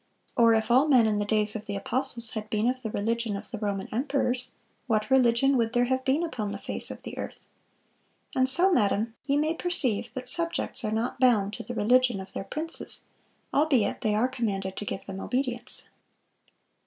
Or if all men in the days of the apostles had been of the religion of the Roman emperors, what religion would there have been upon the face of the earth?... And so, madam, ye may perceive that subjects are not bound to the religion of their princes, albeit they are commanded to give them obedience."